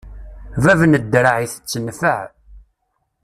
Bab n ddreɛ itett nnfeɛ.